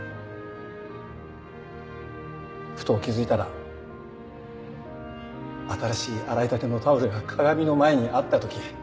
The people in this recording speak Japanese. ふと気付いたら新しい洗いたてのタオルが鏡の前にあったとき。